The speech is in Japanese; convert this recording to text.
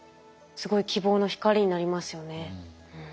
すごい希望の光になりますよね。